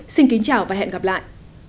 xin chào và hẹn gặp lại